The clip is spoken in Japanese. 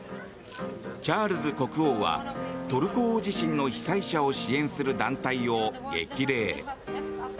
チャールズ国王はトルコ大地震の被災者を支援する団体を激励。